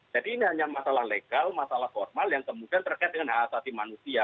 jadi ini hanya masalah legal masalah formal yang kemudian terkait dengan hak asasi manusia